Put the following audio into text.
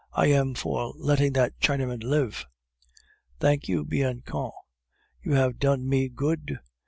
I am for letting that Chinaman live." "Thank you, Bianchon; you have done me good.